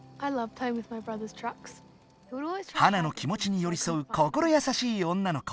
ハナのきもちによりそう心やさしい女の子。